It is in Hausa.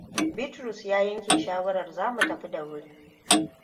Bitrus ya yanke shawarar za mu tafi da wuri.